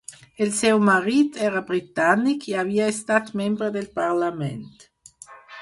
El seu marit era britànic i havia estat membre del Parlament.